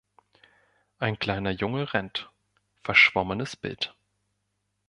Ein kleiner Junge rennt, verschwommenes Bild.